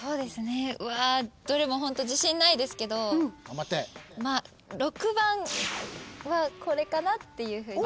うわどれもホント自信ないですけどまあ６番はこれかなって。